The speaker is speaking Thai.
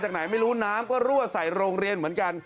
ไหนไม่รู้น้ำก็รั่วใส่โรงเรียนเหมือนกัน